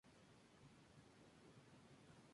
Esta bajo la responsabilidad pastoral de Miguel Acevedo.